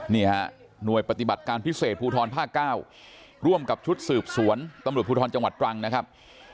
นี่ฮะหน่วยปฏิบัติการพิเศษภูทรภาค๙ร่วมกับชุดสืบสวนตำรวจภูทรจังหวัดตรังนะครับ